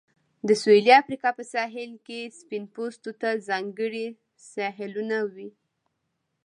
د سویلي افریقا په ساحل کې سپین پوستو ته ځانګړي ساحلونه وې.